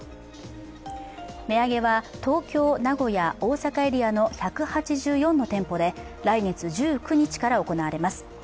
値上げは東京、名古屋、大阪エリアの１８４の店舗で来月１９日から行われます。